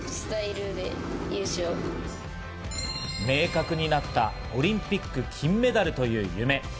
明確になった、オリンピック金メダルという夢。